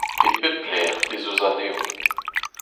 E pep lec'h ez eus anezho.